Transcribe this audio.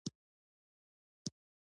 واړه اجسام په دې الې سره لیدل کیږي.